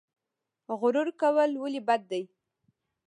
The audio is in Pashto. غرور کول ولې بد دي؟